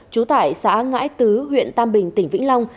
trú tại xã ngãi tứ huyện tam bình tỉnh vĩnh long